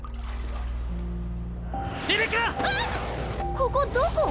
ここどこ？